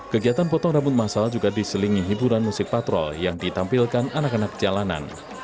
kegiatan potong rambut masal juga diselingi hiburan musik patrol yang ditampilkan anak anak jalanan